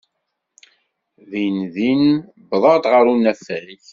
Dindin wwḍeɣ ɣer unafag.